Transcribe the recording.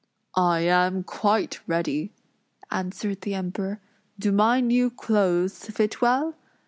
"I am quite ready," answered the Emperor. "Do my new clothes fit well?"